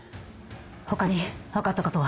他に分かったことは？